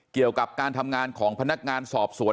เกี่ยวกับการทำงานของพนักงานสอบสวน